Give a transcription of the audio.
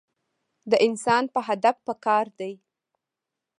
د انسان پۀ هدف پکار دے -